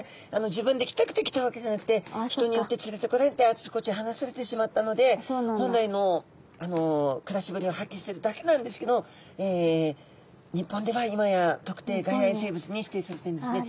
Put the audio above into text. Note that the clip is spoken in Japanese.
自分で来たくて来たわけじゃなくて人によって連れてこられてあちこち放されてしまったので本来の暮らしぶりを発揮してるだけなんですけど日本では今や特定外来生物に指定されているんですね。